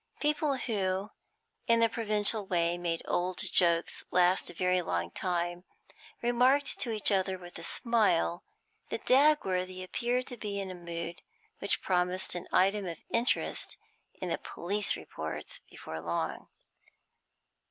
People who, in the provincial way, made old jokes last a very long time, remarked to each other with a smile that Dagworthy appeared to be in a mood which promised an item of interest in the police reports before long.